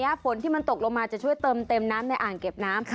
ฝนที่มันตกลงมาจะช่วยเติมเต็มน้ำในอ่างเก็บน้ำ